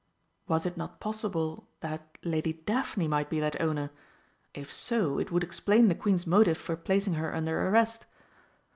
Was it not possible that Lady Daphne might be that owner? If so, it would explain the Queen's motive for placing her under arrest.